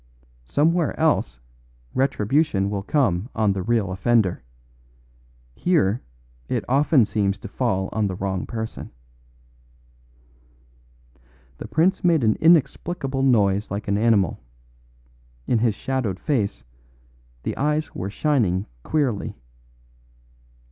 Somewhere else retribution will come on the real offender. Here it often seems to fall on the wrong person." The prince made an inexplicable noise like an animal; in his shadowed face the eyes were shining queerly.